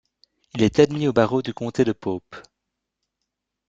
Il est admis au barreau du comté de Pope.